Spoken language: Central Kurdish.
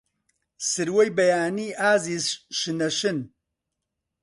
سروەی بەیانی، ئازیز شنە شن